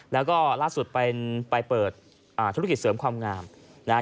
แล้วก็ล่าสุดเป็นไปเปิดอ่าธุรกิจเสริมความงามนะฮะ